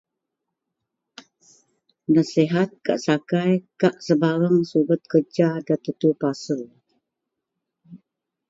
Nasihat gak sakai kak sebareng subet kerja nda tetu pasel